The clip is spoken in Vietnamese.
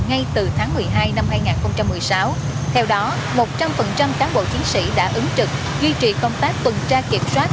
ngay từ tháng một mươi hai năm hai nghìn một mươi sáu theo đó một trăm linh cán bộ chiến sĩ đã ứng trực duy trì công tác tuần tra kiểm soát